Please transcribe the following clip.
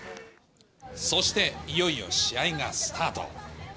そして、いよいよ試合がスタート。